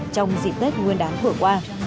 trong dịp tết nguyên đán vừa qua